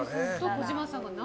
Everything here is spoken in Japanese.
児嶋さんが７。